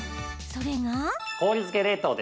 それが。